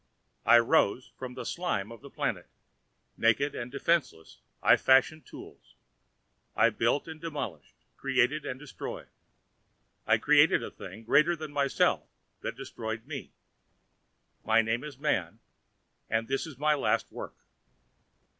I ROSE FROM THE SLIME OF THE PLANET. NAKED AND DEFENSELESS, I FASHIONED TOOLS. I BUILT AND DEMOLISHED, CREATED AND DESTROYED. I CREATED A THING GREATER THAN MYSELF THAT DESTROYED ME. MY NAME IS MAN AND THIS IS MY LAST WORK.